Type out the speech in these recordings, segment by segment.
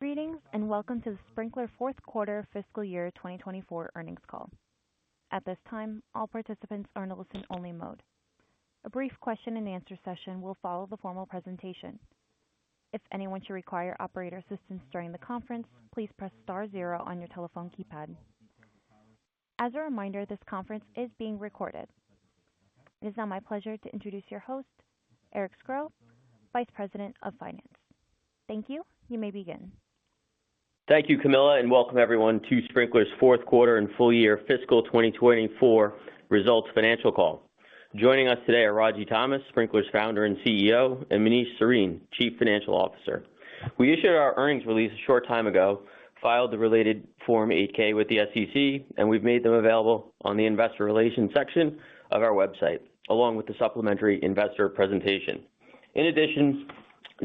Greetings and welcome to the Sprinklr Fourth Quarter Fiscal Year 2024 Earnings Call. At this time, all participants are in a listen-only mode. A brief question-and-answer session will follow the formal presentation. If anyone should require operator assistance during the conference, please press star zero on your telephone keypad. As a reminder, this conference is being recorded. It is now my pleasure to introduce your host, Eric Scro, Vice President of Finance. Thank you. You may begin. Thank you, Camilla, and welcome everyone to Sprinklr's Fourth Quarter and Full Year Fiscal 2024 Results Financial Call. Joining us today are Ragy Thomas, Sprinklr's founder and CEO, and Manish Sarin, Chief Financial Officer. We issued our earnings release a short time ago, filed the related Form 8-K with the SEC, and we've made them available on the investor relations section of our website, along with the supplementary investor presentation. In addition,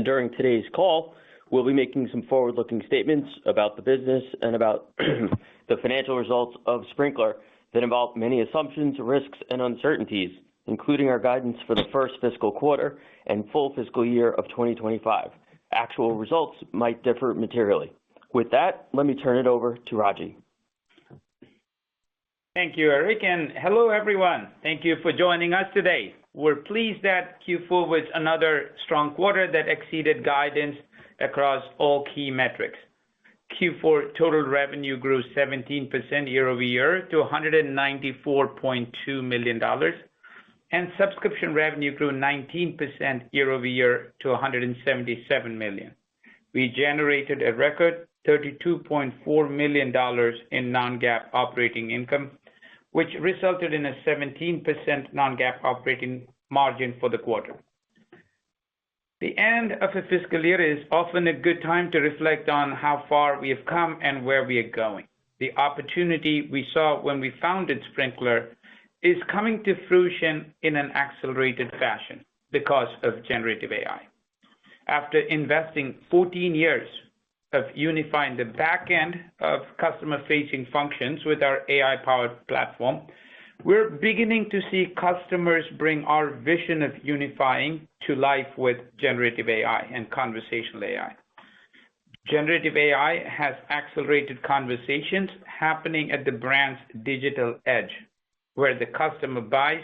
during today's call, we'll be making some forward-looking statements about the business and about the financial results of Sprinklr that involve many assumptions, risks, and uncertainties, including our guidance for the first fiscal quarter and full fiscal year of 2025. Actual results might differ materially. With that, let me turn it over to Ragy. Thank you, Eric, and hello everyone. Thank you for joining us today. We're pleased that Q4 was another strong quarter that exceeded guidance across all key metrics. Q4 total revenue grew 17% year-over-year to $194.2 million, and subscription revenue grew 19% year-over-year to $177 million. We generated a record $32.4 million in non-GAAP operating income, which resulted in a 17% non-GAAP operating margin for the quarter. The end of a fiscal year is often a good time to reflect on how far we have come and where we are going. The opportunity we saw when we founded Sprinklr is coming to fruition in an accelerated fashion because of generative AI. After investing 14 years of unifying the backend of customer-facing functions with our AI-powered platform, we're beginning to see customers bring our vision of unifying to life with generative AI and conversational AI. Generative AI has accelerated conversations happening at the brand's digital edge, where the customer buys,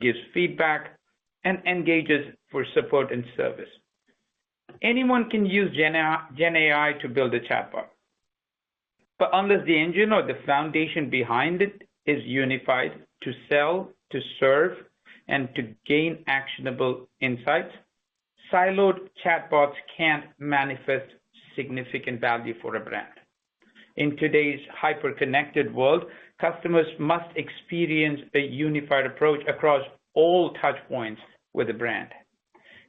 gives feedback, and engages for support and service. Anyone can use GenAI to build a chatbot, but unless the engine or the foundation behind it is unified to sell, to serve, and to gain actionable insights, siloed chatbots can't manifest significant value for a brand. In today's hyper-connected world, customers must experience a unified approach across all touchpoints with a brand.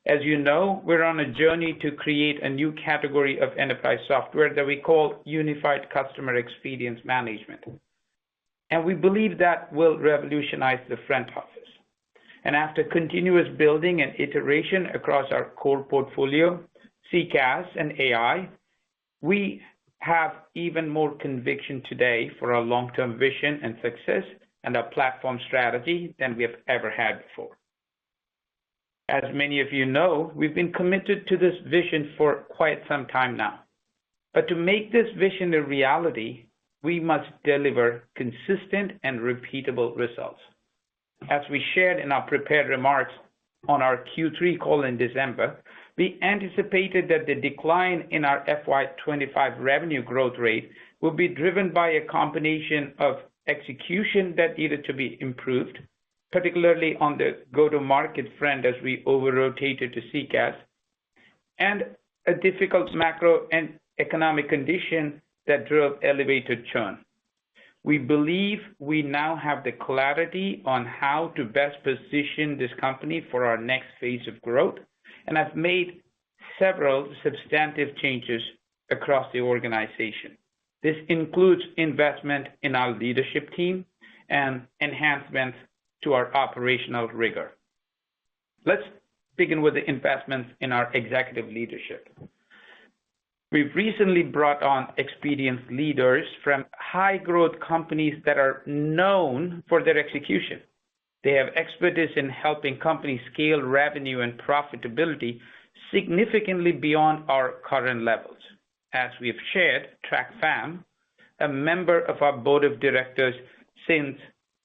As you know, we're on a journey to create a new category of enterprise software that we call Unified Customer Experience Management, and we believe that will revolutionize the front office. After continuous building and iteration across our core portfolio, CCaaS and AI, we have even more conviction today for our long-term vision and success and our platform strategy than we have ever had before. As many of you know, we've been committed to this vision for quite some time now, but to make this vision a reality, we must deliver consistent and repeatable results. As we shared in our prepared remarks on our Q3 call in December, we anticipated that the decline in our FY25 revenue growth rate would be driven by a combination of execution that needed to be improved, particularly on the go-to-market front as we over-rotated to CCaaS, and a difficult macroeconomic condition that drove elevated churn. We believe we now have the clarity on how to best position this company for our next phase of growth, and I've made several substantive changes across the organization. This includes investment in our leadership team and enhancements to our operational rigor. Let's begin with the investments in our executive leadership. We've recently brought on experienced leaders from high-growth companies that are known for their execution. They have expertise in helping companies scale revenue and profitability significantly beyond our current levels. As we've shared, Trac Pham, a member of our board of directors since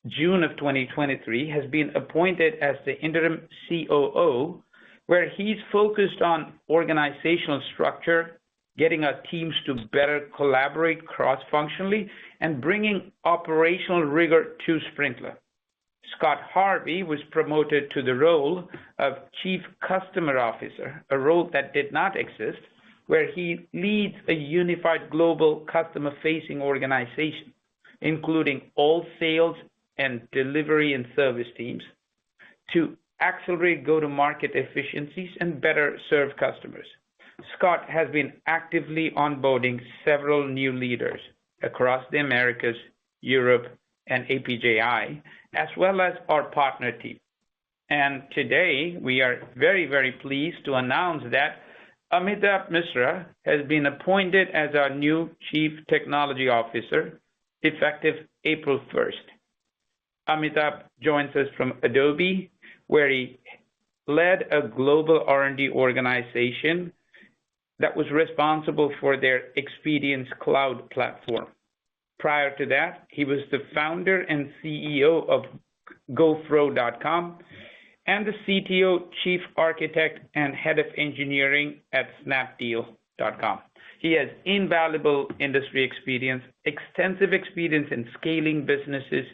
June of 2023, has been appointed as the interim COO, where he's focused on organizational structure, getting our teams to better collaborate cross-functionally, and bringing operational rigor to Sprinklr. Scott Harvey was promoted to the role of Chief Customer Officer, a role that did not exist, where he leads a unified global customer-facing organization, including all sales and delivery and service teams, to accelerate go-to-market efficiencies and better serve customers. Scott has been actively onboarding several new leaders across the Americas, Europe, and APJI, as well as our partner team. Today, we are very, very pleased to announce that Amitabh Misra has been appointed as our new Chief Technology Officer, effective April 1st. Amitabh joins us from Adobe, where he led a global R&D organization that was responsible for their Experience Cloud platform. Prior to that, he was the founder and CEO of GoFro.com and the CTO, Chief Architect, and Head of Engineering at Snapdeal.com. He has invaluable industry experience, extensive experience in scaling businesses,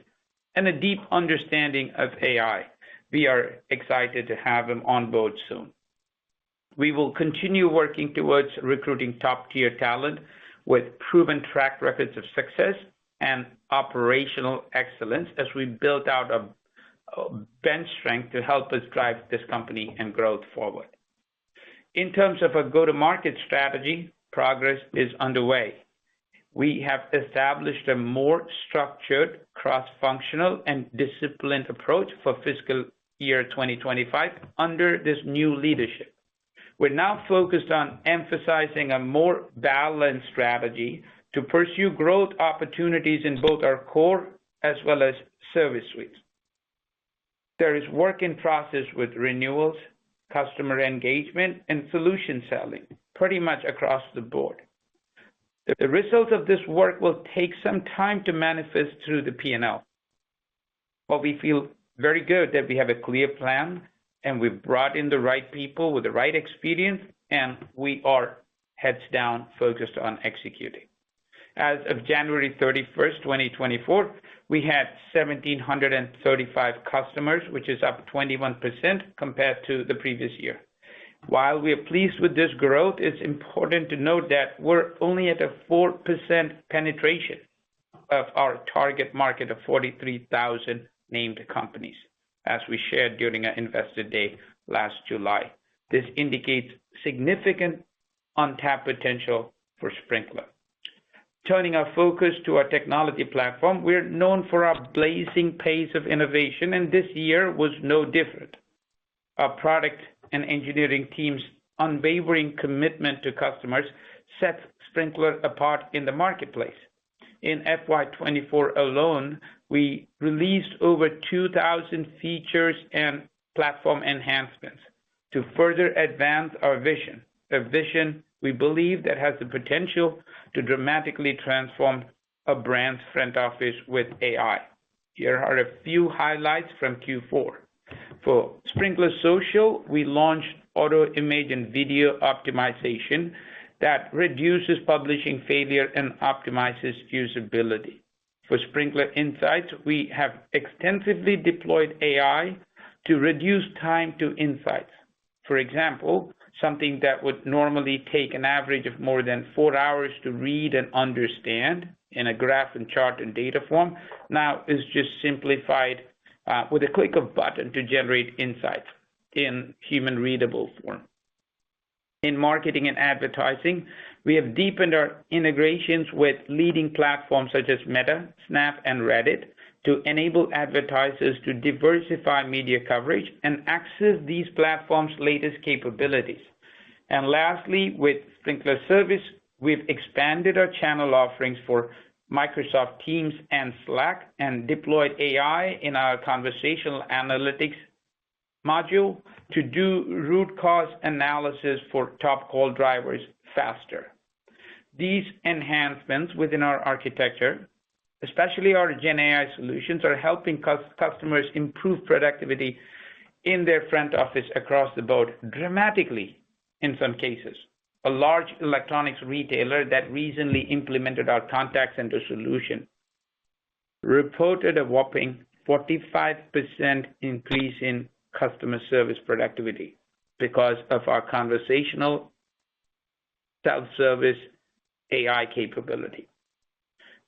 and a deep understanding of AI. We are excited to have him on board soon. We will continue working towards recruiting top-tier talent with proven track records of success and operational excellence as we build out a bench strength to help us drive this company and growth forward. In terms of our go-to-market strategy, progress is underway. We have established a more structured, cross-functional, and disciplined approach for fiscal year 2025 under this new leadership. We're now focused on emphasizing a more balanced strategy to pursue growth opportunities in both our core as well as service suites. There is work in process with renewals, customer engagement, and solution selling pretty much across the board. The results of this work will take some time to manifest through the P&L, but we feel very good that we have a clear plan, and we've brought in the right people with the right experience, and we are heads down focused on executing. As of January 31st, 2024, we had 1,735 customers, which is up 21% compared to the previous year. While we are pleased with this growth, it's important to note that we're only at a 4% penetration of our target market of 43,000 named companies, as we shared during our Investor Day last July. This indicates significant untapped potential for Sprinklr. Turning our focus to our technology platform, we're known for our blazing pace of innovation, and this year was no different. Our product and engineering team's unwavering commitment to customers sets Sprinklr apart in the marketplace. In FY24 alone, we released over 2,000 features and platform enhancements to further advance our vision, a vision we believe that has the potential to dramatically transform a brand's front office with AI. Here are a few highlights from Q4. For Sprinklr Social, we launched auto image and video optimization that reduces publishing failure and optimizes usability. For Sprinklr Insights, we have extensively deployed AI to reduce time to insights. For example, something that would normally take an average of more than four hours to read and understand in a graph and chart and data form now is just simplified with a click of a button to generate insights in human-readable form. In marketing and advertising, we have deepened our integrations with leading platforms such as Meta, Snap, and Reddit to enable advertisers to diversify media coverage and access these platforms' latest capabilities. Lastly, with Sprinklr Service, we've expanded our channel offerings for Microsoft Teams and Slack and deployed AI in our conversational analytics module to do root cause analysis for top call drivers faster. These enhancements within our architecture, especially our GenAI solutions, are helping customers improve productivity in their front office across the board dramatically in some cases. A large electronics retailer that recently implemented our contact center solution reported a whopping 45% increase in customer service productivity because of our conversational self-service AI capability.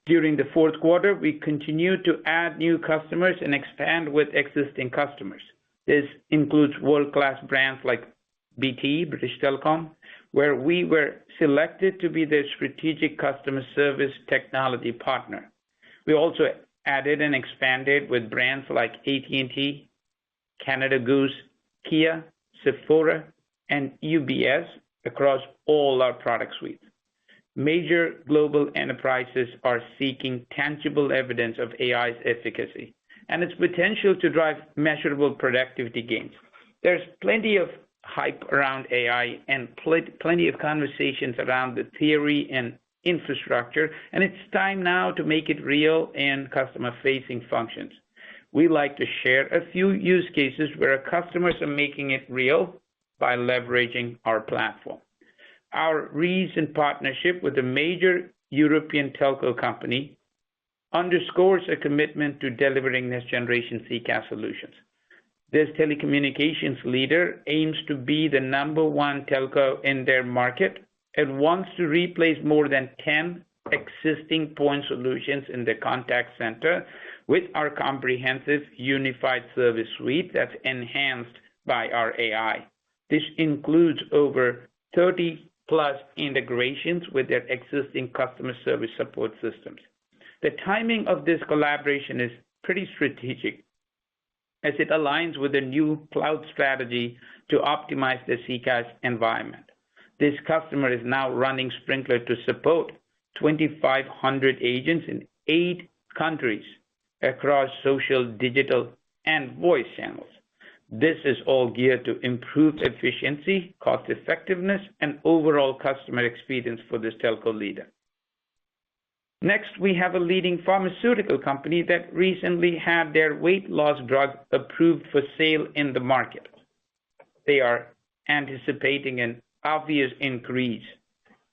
During the fourth quarter, we continue to add new customers and expand with existing customers. This includes world-class brands like BT, British Telecom, where we were selected to be their strategic customer service technology partner. We also added and expanded with brands like AT&T, Canada Goose, Kia, Sephora, and UBS across all our product suites. Major global enterprises are seeking tangible evidence of AI's efficacy and its potential to drive measurable productivity gains. There's plenty of hype around AI and plenty of conversations around the theory and infrastructure, and it's time now to make it real in customer-facing functions. We'd like to share a few use cases where customers are making it real by leveraging our platform. Our recent partnership with a major European telco company underscores a commitment to delivering next-generation CCaaS solutions. This telecommunications leader aims to be the number one telco in their market and wants to replace more than 10 existing point solutions in the contact center with our comprehensive unified service suite that's enhanced by our AI. This includes over 30+ integrations with their existing customer service support systems. The timing of this collaboration is pretty strategic as it aligns with a new cloud strategy to optimize the CCaaS environment. This customer is now running Sprinklr to support 2,500 agents in eight countries across social, digital, and voice channels. This is all geared to improve efficiency, cost-effectiveness, and overall customer experience for this telco leader. Next, we have a leading pharmaceutical company that recently had their weight loss drug approved for sale in the market. They are anticipating an obvious increase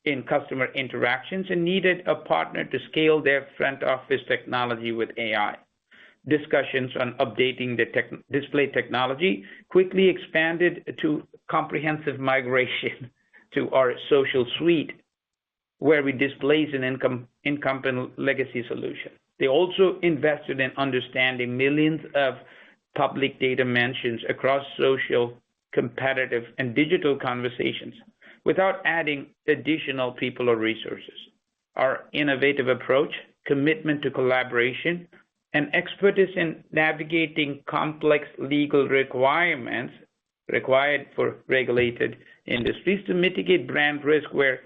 in customer interactions and needed a partner to scale their front office technology with AI. Discussions on updating the display technology quickly expanded to comprehensive migration to our social suite, where we displace an incumbent legacy solution. They also invested in understanding millions of public data mentions across social, competitive, and digital conversations without adding additional people or resources. Our innovative approach, commitment to collaboration, and expertise in navigating complex legal requirements required for regulated industries to mitigate brand risk were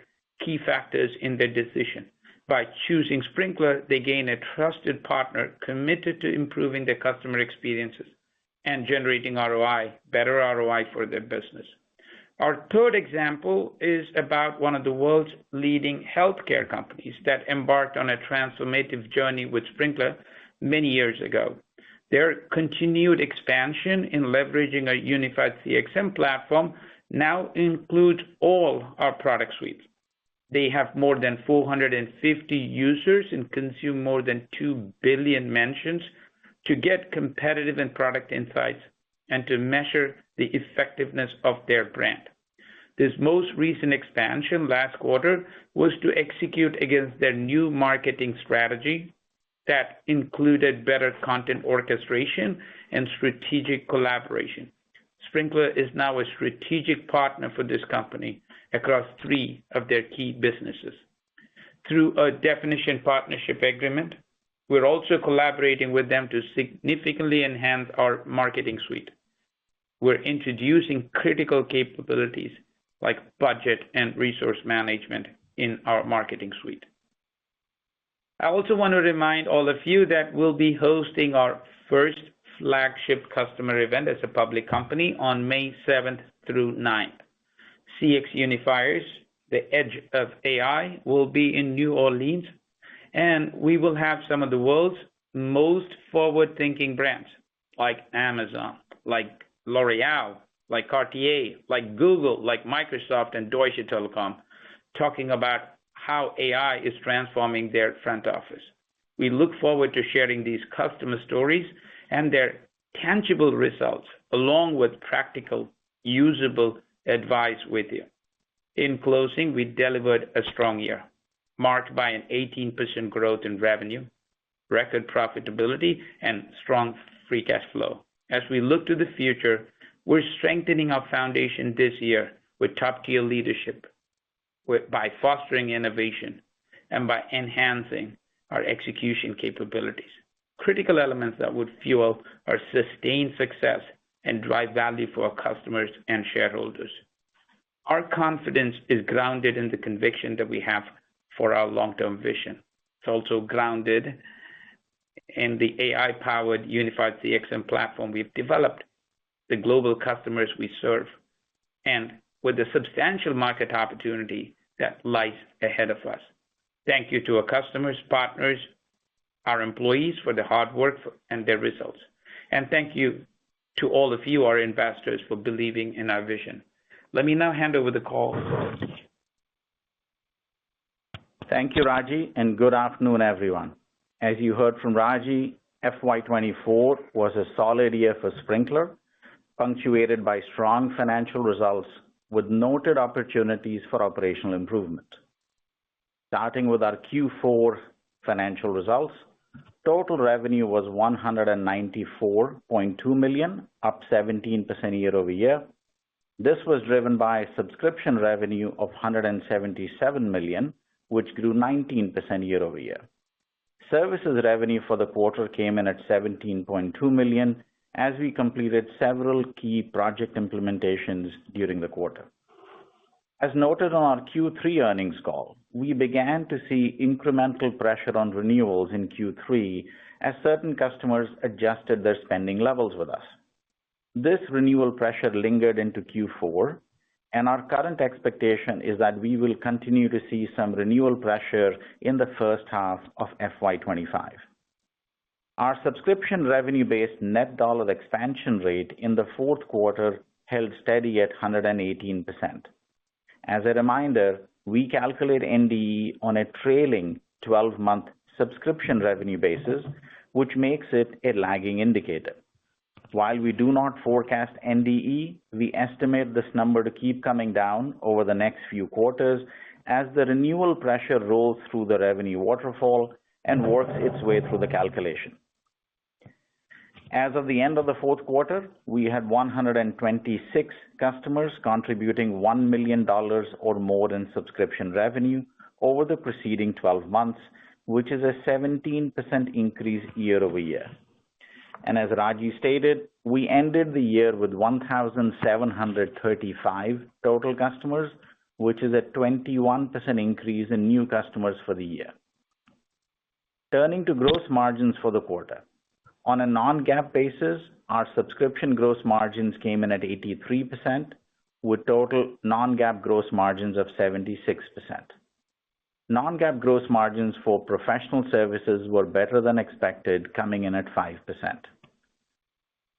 key factors in their decision. By choosing Sprinklr, they gain a trusted partner committed to improving their customer experiences and generating ROI, better ROI for their business. Our third example is about one of the world's leading healthcare companies that embarked on a transformative journey with Sprinklr many years ago. Their continued expansion in leveraging a unified CXM platform now includes all our product suites. They have more than 450 users and consume more than 2 billion mentions to get competitive and product insights and to measure the effectiveness of their brand. This most recent expansion last quarter was to execute against their new marketing strategy that included better content orchestration and strategic collaboration. Sprinklr is now a strategic partner for this company across three of their key businesses. Through a definitive partnership agreement, we're also collaborating with them to significantly enhance our marketing suite. We're introducing critical capabilities like budget and resource management in our marketing suite. I also want to remind all of you that we'll be hosting our first flagship customer event as a public company on May 7th through 9th. CX Unifiers, the edge of AI, will be in New Orleans, and we will have some of the world's most forward-thinking brands like Amazon, like L'Oréal, like Cartier, like Google, like Microsoft, and Deutsche Telekom talking about how AI is transforming their front office. We look forward to sharing these customer stories and their tangible results along with practical, usable advice with you. In closing, we delivered a strong year marked by an 18% growth in revenue, record profitability, and strong free cash flow. As we look to the future, we're strengthening our foundation this year with top-tier leadership by fostering innovation and by enhancing our execution capabilities, critical elements that would fuel our sustained success and drive value for our customers and shareholders. Our confidence is grounded in the conviction that we have for our long-term vision. It's also grounded in the AI-powered unified CXM platform we've developed, the global customers we serve, and with the substantial market opportunity that lies ahead of us. Thank you to our customers, partners, our employees for the hard work and their results. Thank you to all of you, our investors, for believing in our vision. Let me now hand over the call to all of you. Thank you, Ragy, and good afternoon, everyone. As you heard from Ragy, FY24 was a solid year for Sprinklr, punctuated by strong financial results with noted opportunities for operational improvement. Starting with our Q4 financial results, total revenue was $194.2 million, up 17% year-over-year. This was driven by subscription revenue of $177 million, which grew 19% year-over-year. Services revenue for the quarter came in at $17.2 million as we completed several key project implementations during the quarter. As noted on our Q3 earnings call, we began to see incremental pressure on renewals in Q3 as certain customers adjusted their spending levels with us. This renewal pressure lingered into Q4, and our current expectation is that we will continue to see some renewal pressure in the first half of FY25. Our subscription revenue-based net dollar expansion rate in the fourth quarter held steady at 118%. As a reminder, we calculate NDE on a trailing 12-month subscription revenue basis, which makes it a lagging indicator. While we do not forecast NDE, we estimate this number to keep coming down over the next few quarters as the renewal pressure rolls through the revenue waterfall and works its way through the calculation. As of the end of the fourth quarter, we had 126 customers contributing $1 million or more in subscription revenue over the preceding 12 months, which is a 17% increase year-over-year. As Ragy stated, we ended the year with 1,735 total customers, which is a 21% increase in new customers for the year. Turning to gross margins for the quarter. On a non-GAAP basis, our subscription gross margins came in at 83% with total non-GAAP gross margins of 76%. Non-GAAP gross margins for professional services were better than expected, coming in at 5%.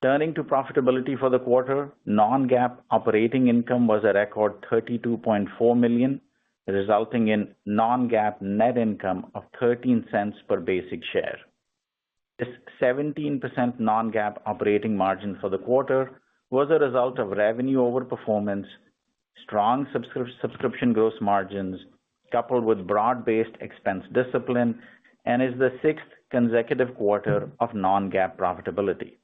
Turning to profitability for the quarter, non-GAAP operating income was a record $32.4 million, resulting in non-GAAP net income of $0.13 per basic share. This 17% Non-GAAP operating margin for the quarter was a result of revenue over performance, strong subscription gross margins coupled with broad-based expense discipline, and is the sixth consecutive quarter of Non-GAAP profitability.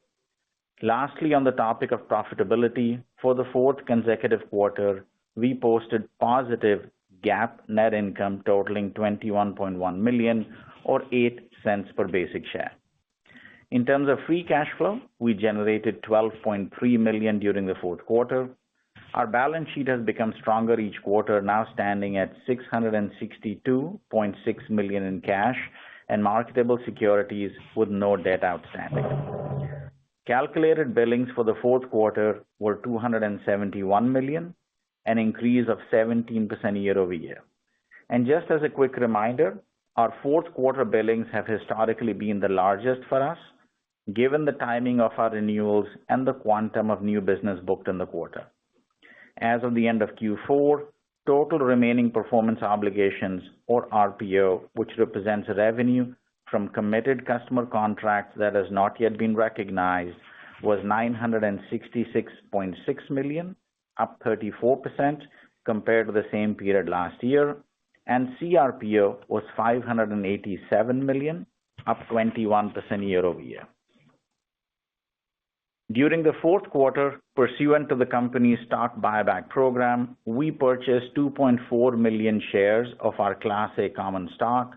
Lastly, on the topic of profitability, for the fourth consecutive quarter, we posted positive GAAP net income totaling $21.1 million or $0.08 per basic share. In terms of free cash flow, we generated $12.3 million during the fourth quarter. Our balance sheet has become stronger each quarter, now standing at $662.6 million in cash and marketable securities with no debt outstanding. Calculated billings for the fourth quarter were $271 million, an increase of 17% year-over-year. And just as a quick reminder, our fourth quarter billings have historically been the largest for us given the timing of our renewals and the quantum of new business booked in the quarter. As of the end of Q4, total remaining performance obligations, or RPO, which represents revenue from committed customer contracts that have not yet been recognized, was $966.6 million, up 34% compared to the same period last year, and CRPO was $587 million, up 21% year-over-year. During the fourth quarter, pursuant to the company's stock buyback program, we purchased 2.4 million shares of our Class A common stock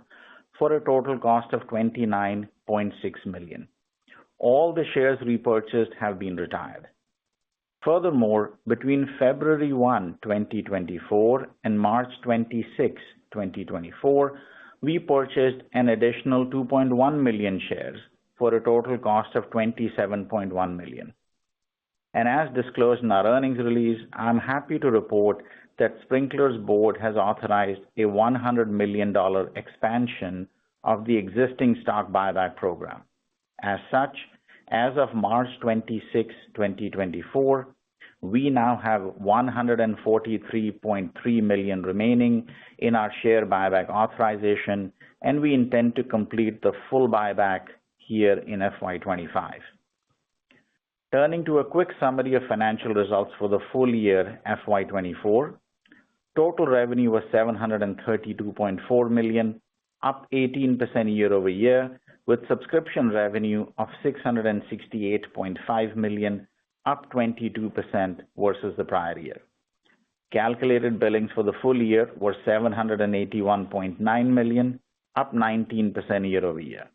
for a total cost of $29.6 million. All the shares repurchased have been retired. Furthermore, between February 1, 2024, and March 26, 2024, we purchased an additional 2.1 million shares for a total cost of $27.1 million. As disclosed in our earnings release, I'm happy to report that Sprinklr's board has authorized a $100 million expansion of the existing stock buyback program. As such, as of March 26, 2024, we now have $143.3 million remaining in our share buyback authorization, and we intend to complete the full buyback here in FY25. Turning to a quick summary of financial results for the full year FY24, total revenue was $732.4 million, up 18% year-over-year, with subscription revenue of $668.5 million, up 22% versus the prior year. Calculated billings for the full year were $781.9 million, up 19% year-over-year.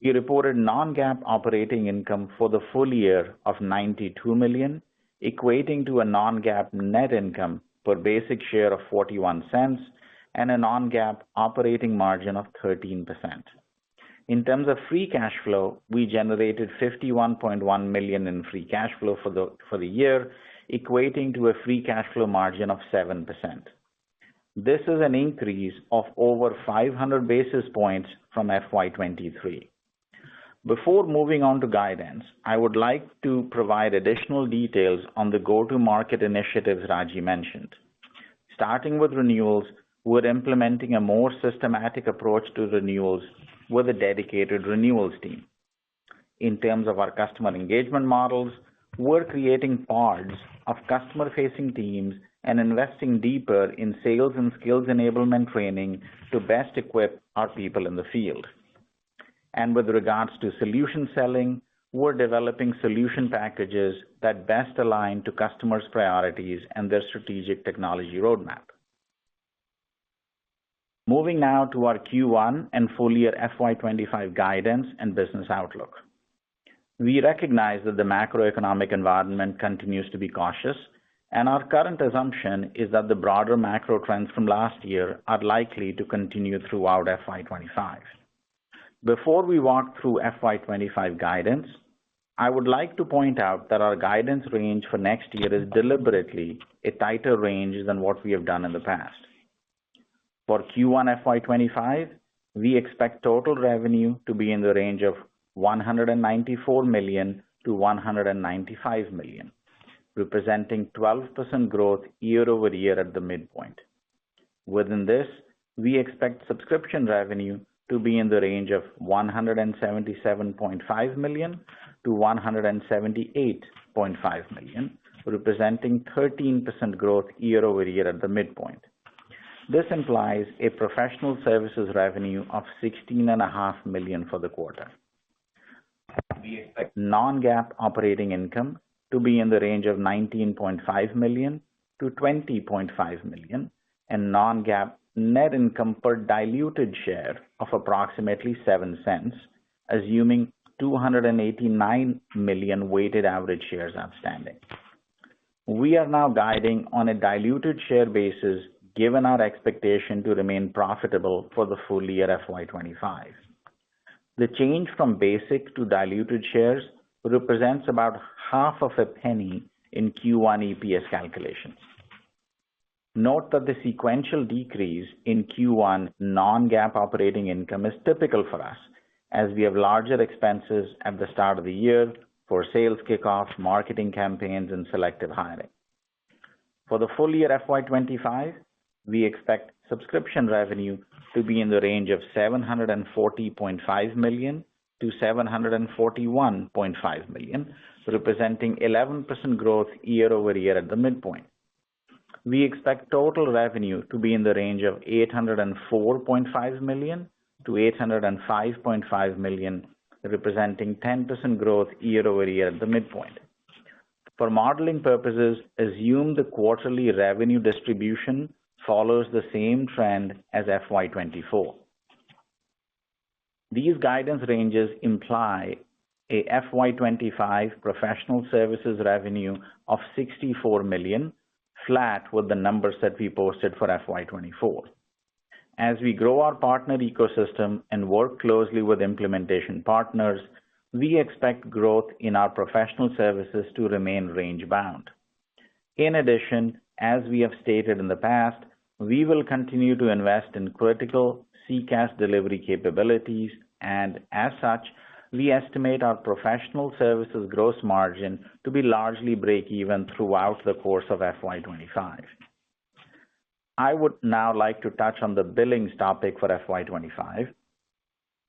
We reported non-GAAP operating income for the full year of $92 million, equating to a non-GAAP net income per basic share of $0.41 and a non-GAAP operating margin of 13%. In terms of free cash flow, we generated $51.1 million in free cash flow for the year, equating to a free cash flow margin of 7%. This is an increase of over 500 basis points from FY23. Before moving on to guidance, I would like to provide additional details on the go-to-market initiatives Ragy mentioned. Starting with renewals, we're implementing a more systematic approach to renewals with a dedicated renewals team. In terms of our customer engagement models, we're creating pods of customer-facing teams and investing deeper in sales and skills enablement training to best equip our people in the field. With regards to solution selling, we're developing solution packages that best align to customers' priorities and their strategic technology roadmap. Moving now to our Q1 and full year FY25 guidance and business outlook. We recognize that the macroeconomic environment continues to be cautious, and our current assumption is that the broader macro trends from last year are likely to continue throughout FY25. Before we walk through FY25 guidance, I would like to point out that our guidance range for next year is deliberately a tighter range than what we have done in the past. For Q1 FY25, we expect total revenue to be in the range of $194 million-$195 million, representing 12% growth year-over-year at the midpoint. Within this, we expect subscription revenue to be in the range of $177.5 million-$178.5 million, representing 13% growth year-over-year at the midpoint. This implies a professional services revenue of $16.5 million for the quarter. We expect non-GAAP operating income to be in the range of $19.5 million-$20.5 million, and non-GAAP net income per diluted share of approximately $0.07, assuming 289 million weighted average shares outstanding. We are now guiding on a diluted share basis given our expectation to remain profitable for the full year FY25. The change from basic to diluted shares represents about $0.005 in Q1 EPS calculations. Note that the sequential decrease in Q1 non-GAAP operating income is typical for us as we have larger expenses at the start of the year for sales kickoff, marketing campaigns, and selective hiring. For the full year FY25, we expect subscription revenue to be in the range of $740.5 million-$741.5 million, representing 11% growth year-over-year at the midpoint. We expect total revenue to be in the range of $804.5 million-$805.5 million, representing 10% growth year-over-year at the midpoint. For modeling purposes, assume the quarterly revenue distribution follows the same trend as FY24. These guidance ranges imply a FY25 professional services revenue of $64 million, flat with the numbers that we posted for FY24. As we grow our partner ecosystem and work closely with implementation partners, we expect growth in our professional services to remain range-bound. In addition, as we have stated in the past, we will continue to invest in critical CCaaS delivery capabilities, and as such, we estimate our professional services gross margin to be largely break-even throughout the course of FY25. I would now like to touch on the billings topic for FY25.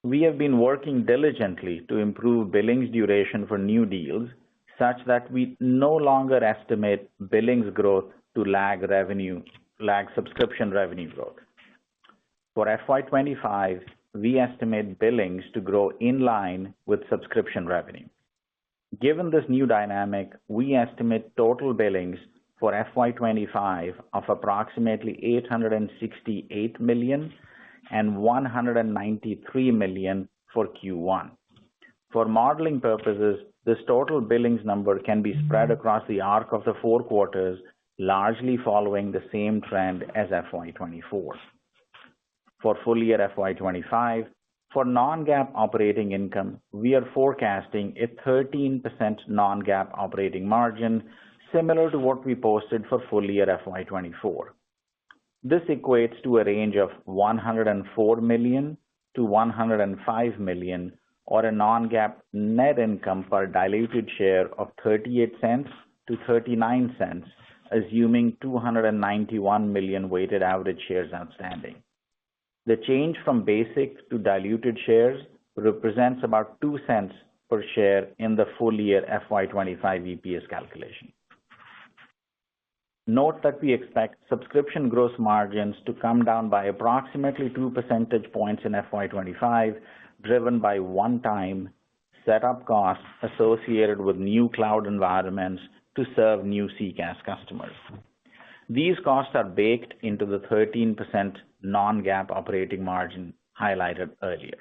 We have been working diligently to improve billings duration for new deals such that we no longer estimate billings growth to lag subscription revenue growth. For FY25, we estimate billings to grow in line with subscription revenue. Given this new dynamic, we estimate total billings for FY25 of approximately $868 million and $193 million for Q1. For modeling purposes, this total billings number can be spread across the arc of the four quarters, largely following the same trend as FY24. For full year FY25, for Non-GAAP operating income, we are forecasting a 13% Non-GAAP operating margin similar to what we posted for full year FY24. This equates to a range of $104 million-$105 million, or a Non-GAAP net income per diluted share of $0.38-$0.39, assuming 291 million weighted average shares outstanding. The change from basic to diluted shares represents about $0.02 per share in the full year FY25 EPS calculation. Note that we expect subscription gross margins to come down by approximately 2 percentage points in FY25, driven by one-time setup costs associated with new cloud environments to serve new CCaaS customers. These costs are baked into the 13% Non-GAAP operating margin highlighted earlier.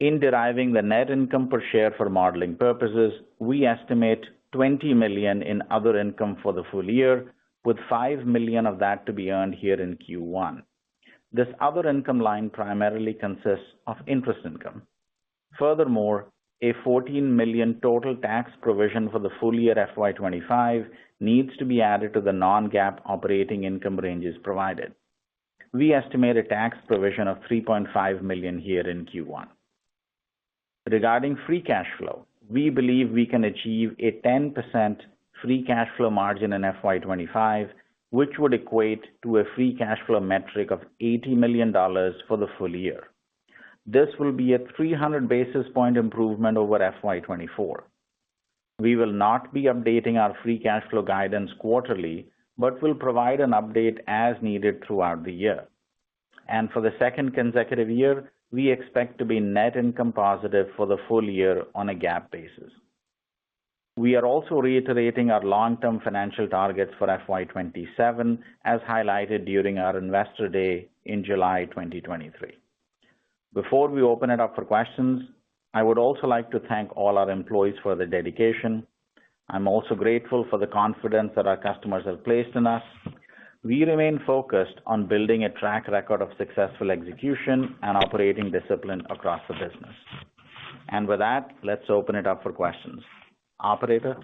In deriving the net income per share for modeling purposes, we estimate $20 million in other income for the full year, with $5 million of that to be earned here in Q1. This other income line primarily consists of interest income. Furthermore, a $14 million total tax provision for the full year FY25 needs to be added to the non-GAAP operating income ranges provided. We estimate a tax provision of $3.5 million here in Q1. Regarding free cash flow, we believe we can achieve a 10% free cash flow margin in FY25, which would equate to a free cash flow metric of $80 million for the full year. This will be a 300 basis point improvement over FY24. We will not be updating our free cash flow guidance quarterly, but will provide an update as needed throughout the year. For the second consecutive year, we expect to be net income positive for the full year on a GAAP basis. We are also reiterating our long-term financial targets for FY27, as highlighted during our Investor Day in July 2023. Before we open it up for questions, I would also like to thank all our employees for their dedication. I'm also grateful for the confidence that our customers have placed in us. We remain focused on building a track record of successful execution and operating discipline across the business. And with that, let's open it up for questions. Operator.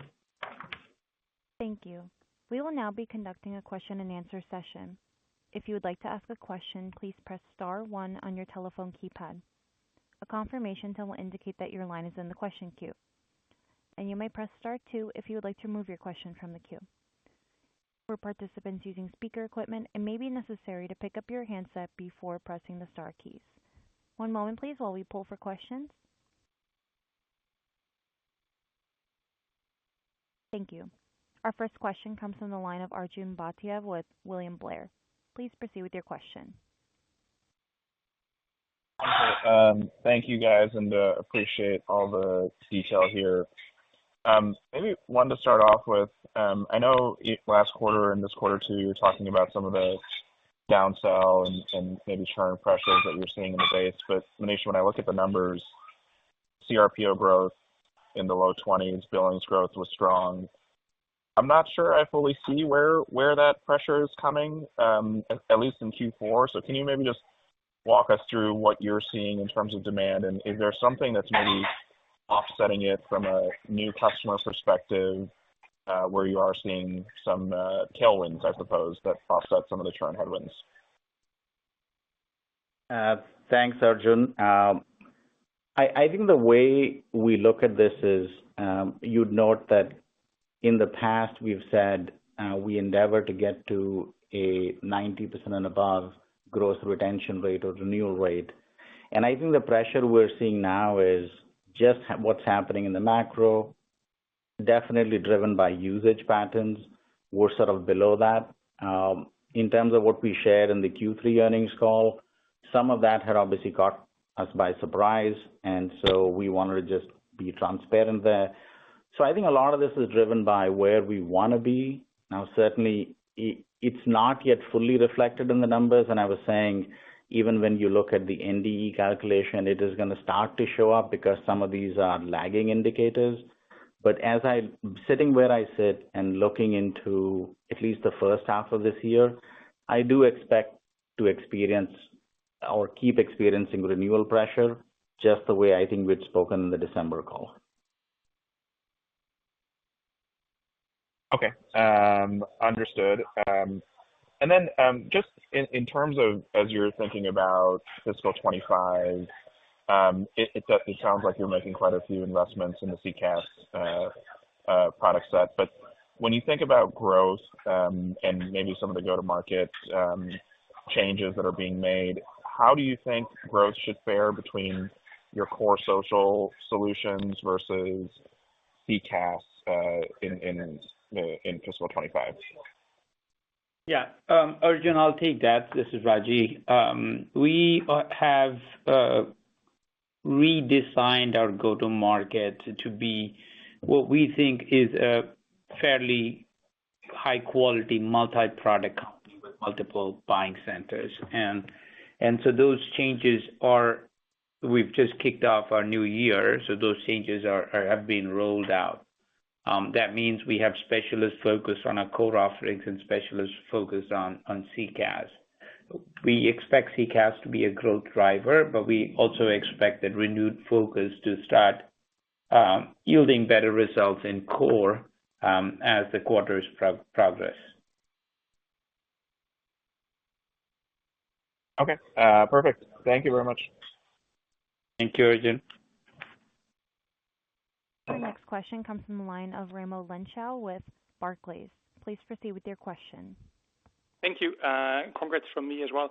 Thank you. We will now be conducting a question-and-answer session. If you would like to ask a question, please press star one on your telephone keypad. A confirmation tone will indicate that your line is in the question queue. You may press star two if you would like to remove your question from the queue. For participants using speaker equipment, it may be necessary to pick up your handset before pressing the star keys. One moment, please, while we poll for questions. Thank you. Our first question comes from the line of Arjun Bhatia with William Blair. Please proceed with your question. Thank you, guys, and appreciate all the detail here. Maybe one to start off with, I know last quarter and this quarter too, you were talking about some of the downsell and maybe churn pressures that you're seeing in the base. But, Manish, when I look at the numbers, CRPO growth in the low 20s, billings growth was strong. I'm not sure I fully see where that pressure is coming, at least in Q4. So can you maybe just walk us through what you're seeing in terms of demand? And is there something that's maybe offsetting it from a new customer perspective, where you are seeing some tailwinds, I suppose, that offset some of the churn headwinds? Thanks, Arjun. I think the way we look at this is you'd note that in the past, we've said we endeavor to get to a 90% and above growth retention rate or renewal rate. I think the pressure we're seeing now is just what's happening in the macro, definitely driven by usage patterns. We're sort of below that. In terms of what we shared in the Q3 earnings call, some of that had obviously caught us by surprise, and so we wanted to just be transparent there. I think a lot of this is driven by where we want to be. Now, certainly, it's not yet fully reflected in the numbers. I was saying, even when you look at the NDE calculation, it is going to start to show up because some of these are lagging indicators. But sitting where I sit and looking into at least the first half of this year, I do expect to experience or keep experiencing renewal pressure just the way I think we'd spoken in the December call. Okay. Understood. Then just in terms of as you're thinking about fiscal 2025, it sounds like you're making quite a few investments in the CCaaS product set. But when you think about growth and maybe some of the go-to-market changes that are being made, how do you think growth should fare between your core social solutions versus CCaaS in fiscal 2025? Yeah. Arjun, I'll take that. This is Ragy. We have redesigned our go-to-market to be what we think is a fairly high-quality multi-product company with multiple buying centers. And so those changes are we've just kicked off our new year, so those changes have been rolled out. That means we have specialist focus on our core offerings and specialist focus on CCaaS. We expect CCaaS to be a growth driver, but we also expect that renewed focus to start yielding better results in core as the quarter's progress. Okay. Perfect. Thank you very much. Thank you, Arjun. Our next question comes from the line of Raimo Lenschow with Barclays. Please proceed with your question. Thank you. Congrats from me as well.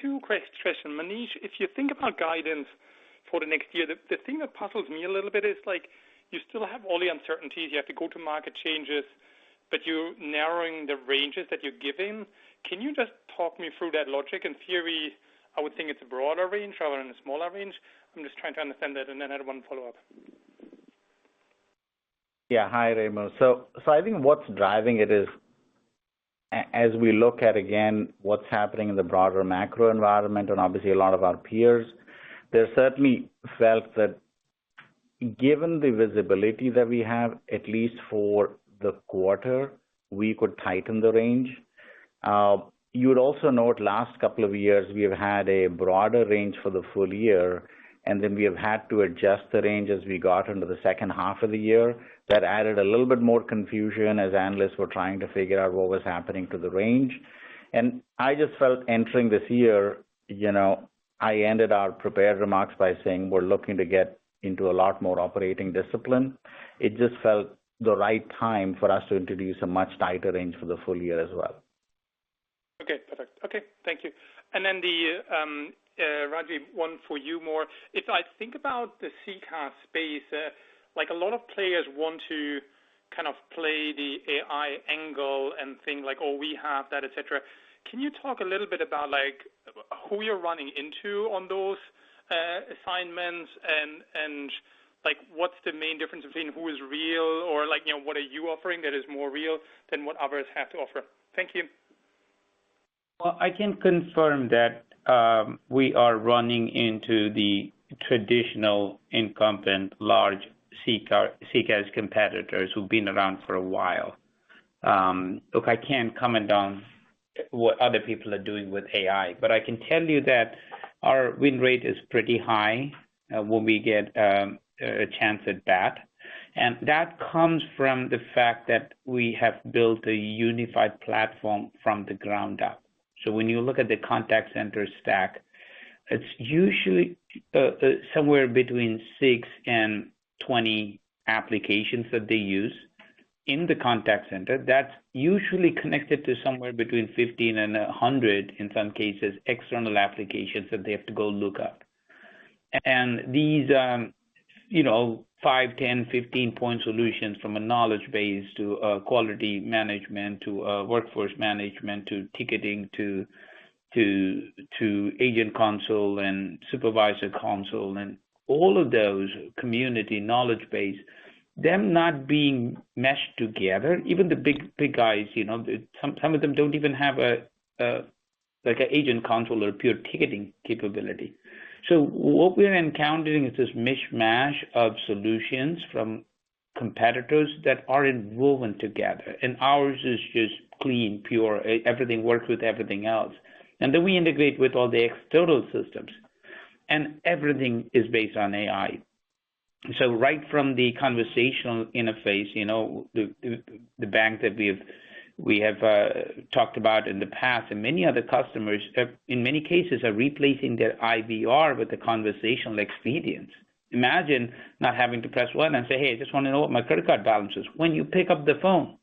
Two quick questions. Manish, if you think about guidance for the next year, the thing that puzzles me a little bit is you still have all the uncertainties. You have the go-to-market changes, but you're narrowing the ranges that you're giving. Can you just talk me through that logic? In theory, I would think it's a broader range rather than a smaller range. I'm just trying to understand that, and then I had one follow-up. Yeah. Hi, Raimo. So I think what's driving it is, as we look at, again, what's happening in the broader macro environment and obviously a lot of our peers, they certainly felt that given the visibility that we have, at least for the quarter, we could tighten the range. You would also note last couple of years, we have had a broader range for the full year, and then we have had to adjust the range as we got into the second half of the year. That added a little bit more confusion as analysts were trying to figure out what was happening to the range. And I just felt entering this year, I ended our prepared remarks by saying we're looking to get into a lot more operating discipline. It just felt the right time for us to introduce a much tighter range for the full year as well. Okay. Perfect. Okay. Thank you. And then Ragy, one more for you. If I think about the CCaaS space, a lot of players want to kind of play the AI angle and think like, "Oh, we have that," etc. Can you talk a little bit about who you're running into on those assignments and what's the main difference between who is real or what are you offering that is more real than what others have to offer? Thank you. Well, I can confirm that we are running into the traditional incumbent large CCaaS competitors who've been around for a while. Look, I can't comment on what other people are doing with AI, but I can tell you that our win rate is pretty high when we get a chance at that. And that comes from the fact that we have built a unified platform from the ground up. So when you look at the contact center stack, it's usually somewhere between 6-20 applications that they use in the contact center. That's usually connected to somewhere between 15-100, in some cases, external applications that they have to go look up. These 5, 10, 15-point solutions from a knowledge base to quality management to workforce management to ticketing to agent console and supervisor console and all of those community knowledge base, them not being meshed together, even the big guys, some of them don't even have an agent console or pure ticketing capability. So what we're encountering is this mishmash of solutions from competitors that are involved together. And ours is just clean, pure. Everything works with everything else. And then we integrate with all the external systems, and everything is based on AI. So right from the conversational interface, the bank that we have talked about in the past and many other customers, in many cases, are replacing their IVR with the conversational experience. Imagine not having to press one and say, "Hey, I just want to know what my credit card balance is," when you pick up the phone.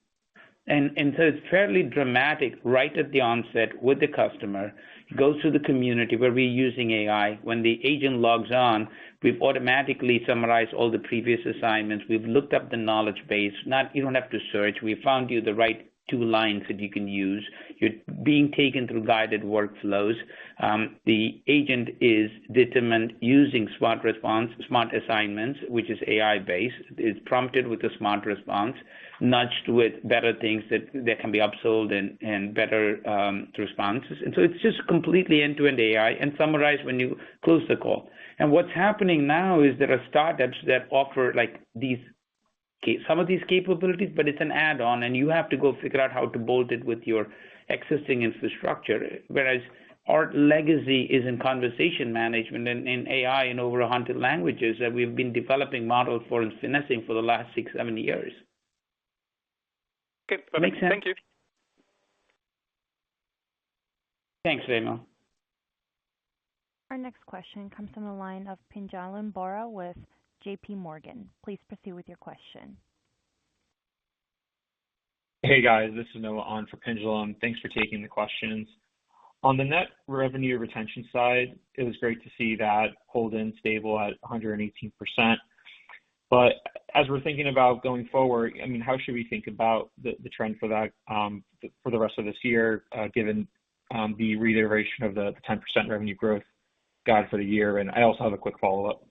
And so it's fairly dramatic right at the onset with the customer. It goes through the community where we're using AI. When the agent logs on, we've automatically summarized all the previous assignments. We've looked up the knowledge base. You don't have to search. We've found you the right two lines that you can use. You're being taken through guided workflows. The agent is determined using smart response, smart assignments, which is AI-based. It's prompted with a smart response, nudged with better things that can be upsold and better responses. And so it's just completely end-to-end AI and summarized when you close the call. What's happening now is there are startups that offer some of these capabilities, but it's an add-on, and you have to go figure out how to bolt it with your existing infrastructure. Whereas our legacy is in conversation management and in AI in over 100 languages that we've been developing models for and finessing for the last 6-7 years. Okay. Thank you. Thanks, Raimo. Our next question comes from the line of Pinjalim Bora with JPMorgan. Please proceed with your question. Hey, guys. This is Noah on for Pinjalim. Thanks for taking the questions. On the net revenue retention side, it was great to see that holding stable at 118%. But as we're thinking about going forward, I mean, how should we think about the trend for the rest of this year given the reiteration of the 10% revenue growth guide for the year? And I also have a quick follow-up.